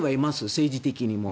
政治的にも。